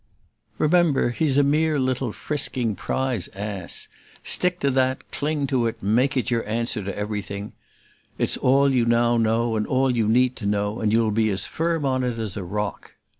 "Remember, he's a mere little frisking prize ass; stick to that, cling to it, make it your answer to everything: it's all you now know and all you need to know, and you'll be as firm on it as on a rock!"